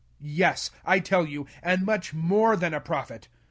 Yes, I tell you, jfiuich more than a prophet.